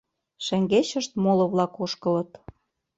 Шеҥгечышт моло-влак ошкылыт.